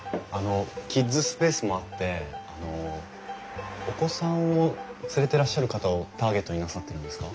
キッズスペースもあってお子さんを連れてらっしゃる方をターゲットになさってるんですか？